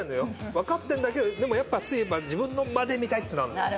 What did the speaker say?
分かってんだけどでもやっぱ自分の間で見たいってのあんの。